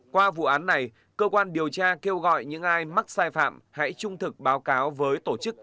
qua vụ án này cơ quan điều tra kêu gọi những ai mắc sai phạm hãy trung thực báo cáo với tổ chức